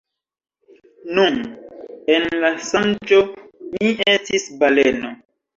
Nun, en la sonĝo, mi estis baleno.